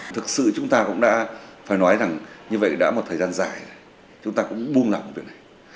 thực sự chúng ta cũng đã phải nói rằng như vậy đã một thời gian dài chúng ta cũng buông lỏng việc này